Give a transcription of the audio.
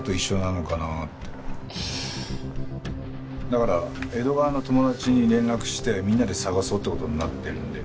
だから江戸川の友達に連絡してみんなで捜そうって事になってるんで。